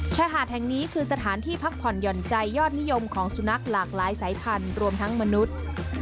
ชายหาดแห่งนี้คือสถานที่พักผ่อนหย่อนใจยอดนิยมของสุนัขหลากหลายสายพันธุ์รวมทั้งมนุษย์